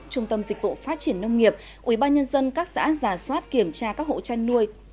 trung tâm dịch vụ phát triển nông nghiệp ubnd các xã giả soát kiểm tra các hộ chăn nuôi